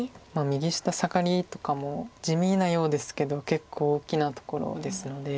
右下サガリとかも地味なようですけど結構大きなところですので。